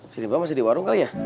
sini pak masih di warung kali ya